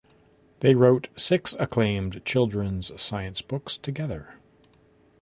They wrote six acclaimed children's science books together.